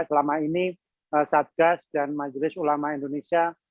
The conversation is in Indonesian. selama ini satgas dan majelis ulama indonesia